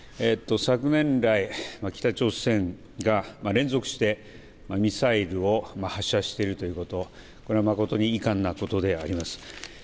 昨年来、北朝鮮が連続してミサイルを発射しているということ、これは誠に遺憾なことであります。